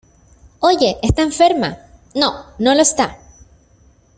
¡ Oye! ¡ está enferma !¡ no, no lo está !